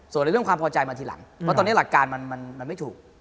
ส่วนในเรื่องความพอใจมาทีหลังเพราะตอนนี้หลักการมันไม่ถูก